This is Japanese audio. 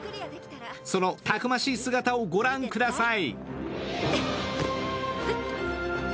そのたくましい姿をご覧ください。